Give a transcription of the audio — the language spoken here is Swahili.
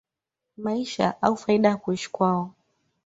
maisha au faida ya kuishi kwao